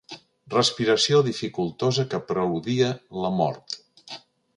Respiració dificultosa que preludia la mort.